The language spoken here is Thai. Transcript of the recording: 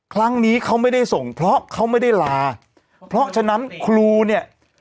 ครั้งนี้เขาไม่ได้ส่งเพราะเขาไม่ได้ลาเพราะฉะนั้นครูเนี่ย